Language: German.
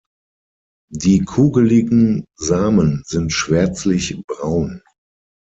Die kugeligen Samen sind schwärzlich braun.